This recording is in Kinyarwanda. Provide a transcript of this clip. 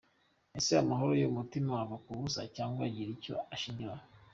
Ese amahoro yo mutima ava ku busa cyangwa agira icyo ashingiraho?.